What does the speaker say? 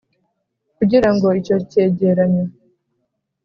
kugira ngo icyo cyegeranyo